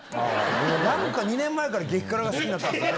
なんか２年前から、激辛が好きになったとか。